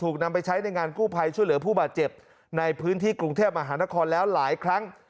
นำไปใช้ในงานกู้ภัยช่วยเหลือผู้บาดเจ็บในพื้นที่กรุงเทพมหานครแล้วหลายครั้ง